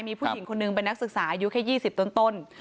มีผู้หญิงคนนึงเป็นนักศึกษาอายุแค่๒๐ต้น